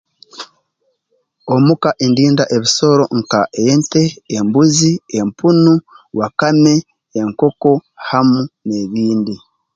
Omuka ndinda ebisoro nka ente embuzi empunu wakame enkoko hamu n'ebindi